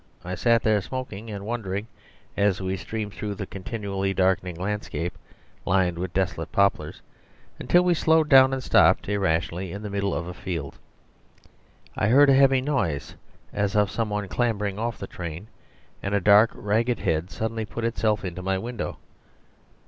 I sat there smoking and wondering, as we steamed through the continually darkening landscape, lined with desolate poplars, until we slowed down and stopped, irrationally, in the middle of a field. I heard a heavy noise as of some one clambering off the train, and a dark, ragged head suddenly put itself into my window.